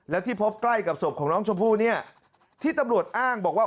แล้วที่พบใกล้กับศพของน้องชมพู่เนี่ยที่ตำรวจอ้างบอกว่า